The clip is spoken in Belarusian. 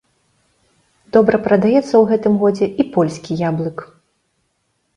Добра прадаецца ў гэтым годзе і польскі яблык.